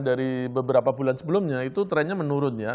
dari beberapa bulan sebelumnya itu trennya menurun ya